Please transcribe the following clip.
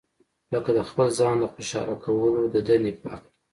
لکه د خپل ځان د خوشاله کولو د دندې په هکله.